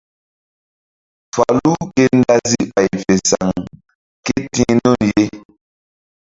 Falu ke dazi bay fe saŋ kéti̧h nun ye.